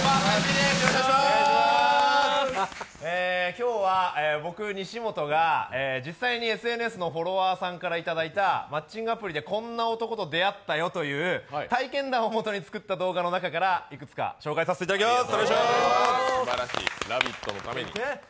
今日は僕、西本が実際に実際にＳＮＳのフォロワーさんからいただいたマッチングアプリでこんな男と出会ったよという体験談をもとに作った動画の中から、いくつか紹介させていただきます。